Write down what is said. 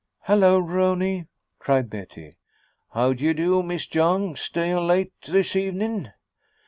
"Hello, Rooney," cried Betty. "How d'ye do, Miss Young! Stayin' late this evenin'?"